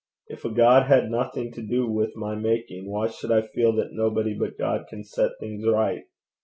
If a God had nothing to do with my making, why should I feel that nobody but God can set things right?